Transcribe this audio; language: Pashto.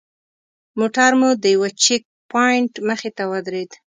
موټر مو د یوه چیک پواینټ مخې ته ودرېد.